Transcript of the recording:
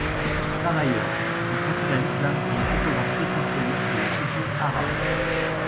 Par ailleurs, il considère l'Islam comme une composante essentielle de la culture arabe.